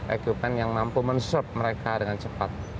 equipment yang mampu men serve mereka dengan cepat